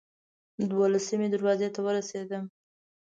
دولسمې دروازې ته ورسېدم.